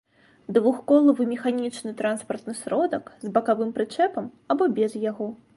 двухколавы механiчны транспартны сродак з бакавым прычэпам або без яго